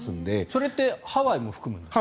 それってハワイも含むんですか？